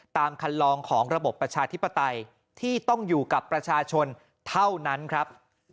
ตามคันลองของระบบประชาธิปไตยที่ต้องอยู่กับประชาชนเท่านั้นครับ